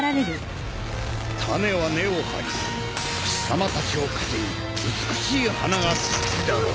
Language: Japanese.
種は根を張り貴様たちを糧に美しい花が咲くだろう。